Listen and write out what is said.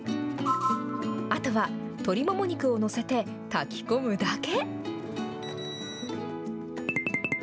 あとは鶏もも肉を載せて、炊き込むだけ。